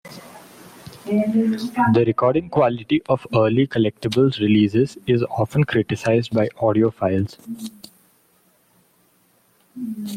The recording quality of early Collectables' releases is often criticized by audiophiles.